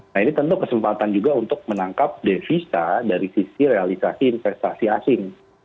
nah ini tentu kesempatan juga untuk menangkap devisa dari sisi realisasi investasi asing